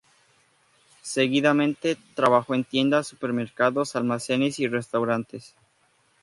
Seguidamente, trabajó en tiendas, supermercados, almacenes y restaurantes.